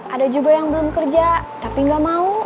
ada juga yang belum kerja tapi nggak mau